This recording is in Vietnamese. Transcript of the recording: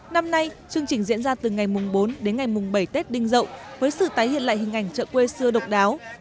năm nay chương trình diễn ra từ ngày mùng bốn đến ngày mùng bảy tết đinh dậu với sự tái hiện lại hình ảnh chợ quê xưa độc đáo